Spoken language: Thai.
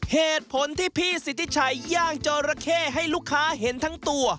เหตุผลที่พี่สิทธิชัยย่างจอระเข้ให้ลูกค้าเห็นทั้งตัว